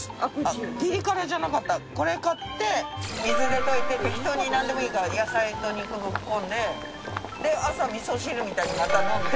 ピリ辛じゃなかったこれ買って水で溶いて適当になんでもいいから野菜と肉ぶっこんでで朝みそ汁みたいにまた飲んで。